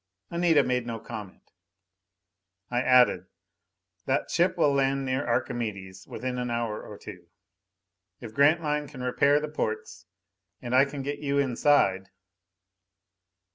Anita made no comment. I added, "That ship will land near Archimedes, within an hour or two. If Grantline can repair the ports, and I can get you inside...."